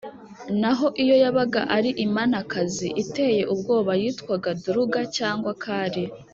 naho iyo yabaga ari imanakazi iteye ubwoba, yitwaga duruga cyangwa kali.